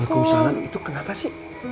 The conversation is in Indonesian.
waalaikumsalam itu kenapa sih